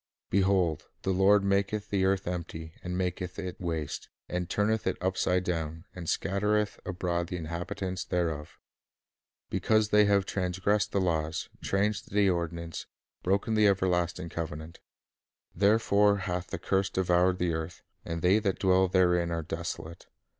"Behold, the Lord maketh the earth empty, and maketh it waste, and turneth it upside down, and scat tereth abroad the inhabitants thereof; ... because they have transgressed the laws, changed the ordinance, broken the everlasting covenant. Therefore hath the curse devoured the earth, and they that dwell therein are desolate.